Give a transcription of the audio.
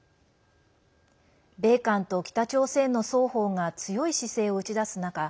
米韓と北朝鮮の双方が強い姿勢を打ち出す中